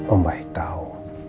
om baik tahu